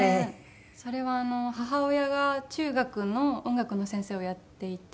それは母親が中学の音楽の先生をやっていて。